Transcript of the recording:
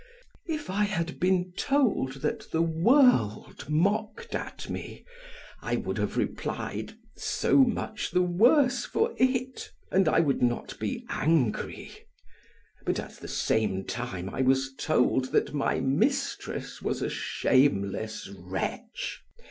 If I had been told that the world mocked at me I would have replied: "So much the worse for it," and I would not be angry; but at the same time I was told that my mistress was a shameless wretch.